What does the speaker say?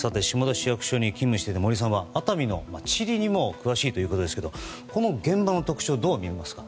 市役所に勤務していた森さんは熱海の地理にも詳しいということですけどこの現場の特徴をどうみますか？